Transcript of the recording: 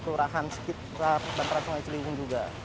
kelurahan sekitar bantaran sungai ciliwung juga